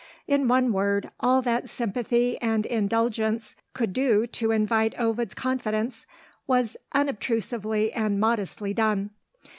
In one word, all that sympathy and indulgence could do to invite Ovid's confidence, was unobtrusively and modestly done.